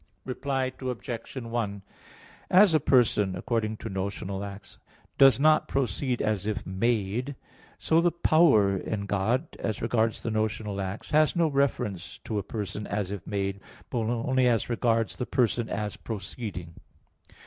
Reply Obj. 1: As a person, according to notional acts, does not proceed as if made; so the power in God as regards the notional acts has no reference to a person as if made, but only as regards the person as proceeding.